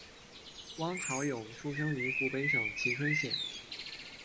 汪潮涌出生于湖北省蕲春县。